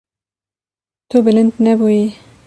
Tu bilind nebûyî.